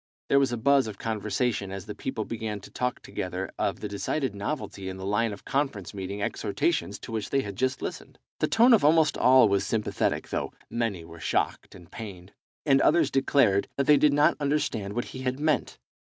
There was a buzz of conversation as the people began to talk together of the decided novelty in the line of conference meeting exhortations to which they had just listened. The tone of almost all was sympathetic, though many were shocked and pained, and others declared that they did not understand what he had meant.